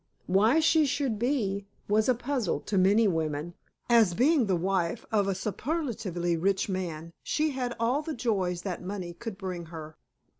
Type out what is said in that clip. Why she should be, was a puzzle to many women, as being the wife of a superlatively rich man, she had all the joys that money could bring her.